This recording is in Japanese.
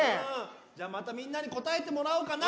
じゃあまたみんなにこたえてもらおうかな。